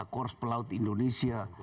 kurs pelaut indonesia